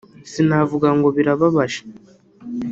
“Sinavuga ngo birababaje